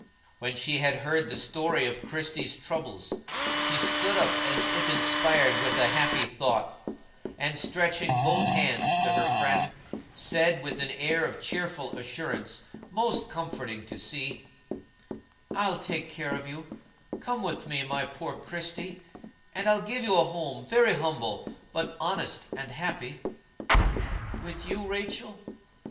When she had heard the story of Christie's troubles, she stood up as if inspired with a happy thought, and stretching both hands to her friend, said, with an air of cheerful assurance most comforting to see: "I'll take care of you; come with me, my poor Christie, and I'll give you a home, very humble, but honest and happy." "With you, Rachel?"